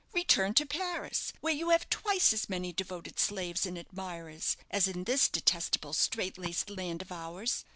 Return to Paris, where you have twice as many devoted slaves and admirers as in this detestable straight laced land of ours.